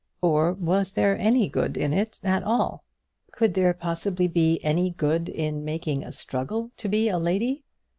Or was there any good in it at all? Could there possibly be any good in making a struggle to be a lady?